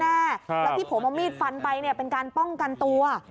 แล้วที่ผมเอามีดฟันไปเป็นการป้องกันตัว